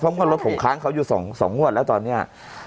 เพราะว่ารถผมค้างเขาอยู่๒งวดแล้วตอนนี้